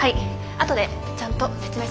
あとでちゃんと説明しますから。